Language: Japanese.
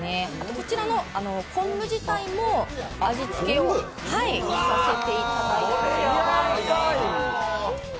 こちらの昆布自体も味付けをさせていただきます。